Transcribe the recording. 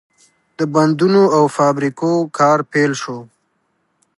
د بندونو او فابریکو کار پیل شو.